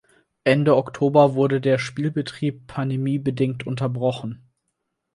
Ende Oktober wurde der Spielbetrieb pandemiebedingt unterbrochen.